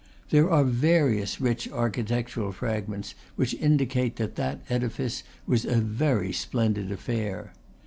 There are various rich architectural fragments which in dicate that that edifice was a very splendid affair.